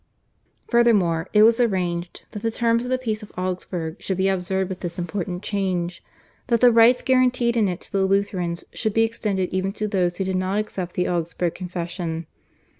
Furthermore, it was arranged that the terms of the Peace of Augsburg should be observed, with this important change, that the rights guaranteed in it to the Lutherans should be extended even to those who did not accept the Augsburg Confession.